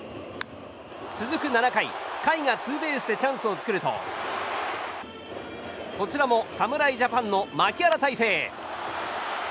続く７回、甲斐がツーベースでチャンスを作るとこちらも侍ジャパンの牧原大成。